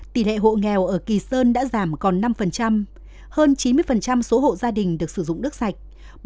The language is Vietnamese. tỷ lệ hộ nghèo ở kỳ sơn đã giảm còn năm hơn chín mươi số hộ gia đình được sử dụng đất sạch